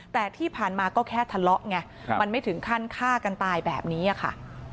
แต่ที่ผ่านมาก็แค่ทะเลาะไงมันไม่ถึงขั้นฆ่ากันตายแบบนี้ค่ะ